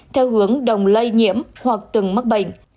theo hướng đồng lây nhiễm hoặc từng mắc bệnh